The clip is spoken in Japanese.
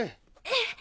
ええ。